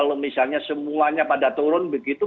kalau misalnya semuanya pada turun begitu